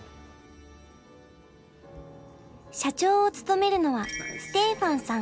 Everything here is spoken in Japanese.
社長を務めるのはステーファンさん